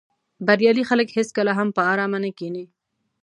بریالي خلک هېڅکله هم په آرامه نه کیني.